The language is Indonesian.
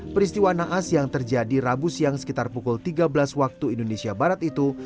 peristiwa naas yang terjadi rabu siang sekitar pukul tiga belas waktu indonesia barat itu